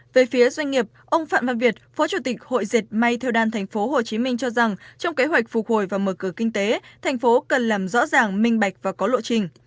về phía doanh nghiệp ông phạm văn việt phó chủ tịch hội dệt may theo đan tp hcm cho rằng trong kế hoạch phục hồi và mở cửa kinh tế thành phố cần làm rõ ràng minh bạch và có lộ trình